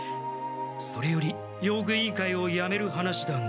それより用具委員会をやめる話だが。